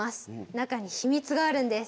中に秘密があるんです。